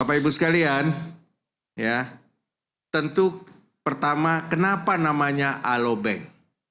bapak ibu sekalian tentu pertama kenapa namanya alo bank